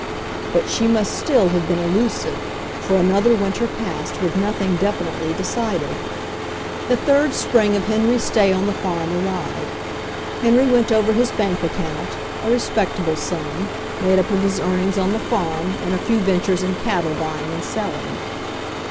But she must still have been elusive, for another winter passed with nothing definitely decided. THE ROAD TO HYMEN 45 The third spring of Henry's stay on the farm arrived. Henry went over his bank account, a respectable sum, made up of his earnings on the farm and a few ventures in cattle buying and selling.